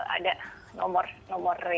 ada nomor nomor yang ada di dalam